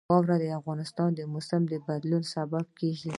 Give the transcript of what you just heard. واوره د افغانستان د موسم د بدلون سبب کېږي.